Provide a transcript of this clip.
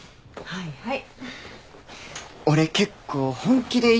はいはい。